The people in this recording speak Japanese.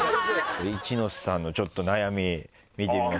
一ノ瀬さんの悩み見てみましょう。